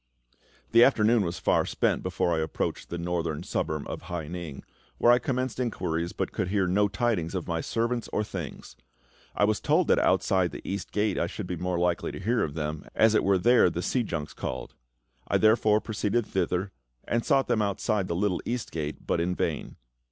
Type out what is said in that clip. The afternoon was far spent before I approached the northern suburb of Hai ning, where I commenced inquiries, but could hear no tidings of my servant or things. I was told that outside the East Gate I should be more likely to hear of them, as it was there the sea junks called. I therefore proceeded thither, and sought for them outside the Little East Gate, but in vain.